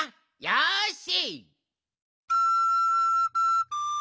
よし！